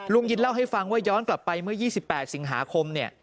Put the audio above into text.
ลุงยินเล่าให้ฟังว่าย้อนกลับไปเมื่อยี่สิบแปดสิงหาคมเนี่ย